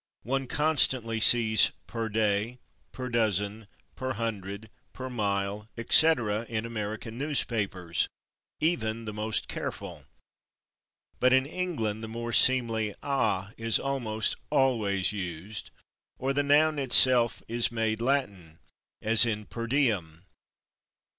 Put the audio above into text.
One constantly sees /per day/, /per dozen/, /per hundred/, /per mile/, etc., in American newspapers, even the most careful, but in England the more seemly /a/ is almost always used, or the noun itself is made Latin, as in /per diem